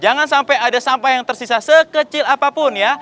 jangan sampai ada sampah yang tersisa sekecil apapun ya